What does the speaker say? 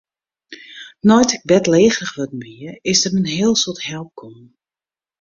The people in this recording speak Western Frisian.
Nei't ik bêdlegerich wurden wie, is der in heel soad help kommen.